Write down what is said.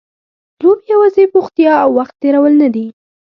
لوبې یوازې بوختیا او وخت تېرول نه دي.